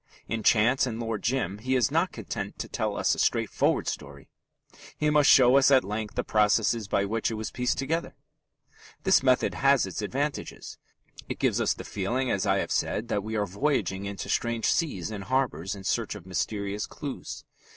In Chance and Lord Jim he is not content to tell us a straightforward story: he must show us at length the processes by which it was pieced together. This method has its advantages. It gives us the feeling, as I have said, that we are voyaging into strange seas and harbours in search of mysterious clues.